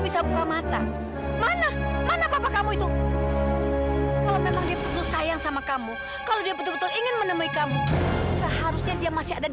sampai jumpa di video selanjutnya